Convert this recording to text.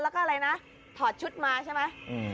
แล้วก็อะไรนะถอดชุดมาใช่ไหม